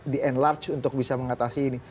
di enlarch untuk bisa mengatasi ini